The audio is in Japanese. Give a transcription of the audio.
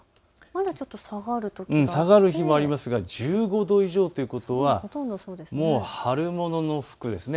下がる日もありますが１５度以上ということは、ほとんど春物の服です。